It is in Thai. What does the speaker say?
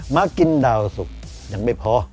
มากินดาวสุกยังไม่พอ